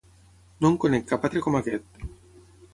No en conec cap altre com aquest.